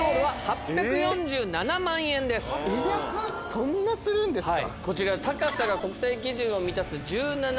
そんなするんですか！